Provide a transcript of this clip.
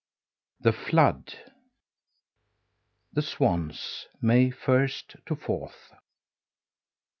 THE FLOOD THE SWANS May first to fourth.